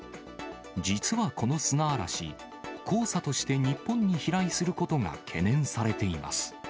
実はこの砂嵐、黄砂として日本に飛来することが懸念されています。